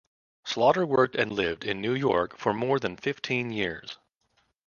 Slaughter worked and lived in New York for more than fifteen years.